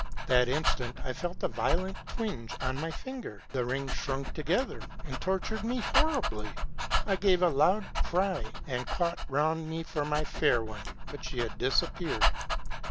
That instant I felt a violent twinge on my finger: the ring shrunk together, and tor tured me horribly. I gave a loud cry, and caught round me for my fair one ; but she had disappeared.